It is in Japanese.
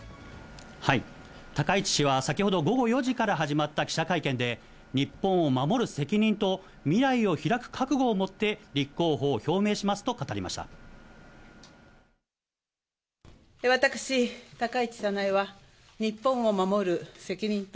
高市氏は先ほど午後４時から始まった記者会見で、日本を守る責任と、未来を開く覚悟を持って立候補を表明しますと語りました。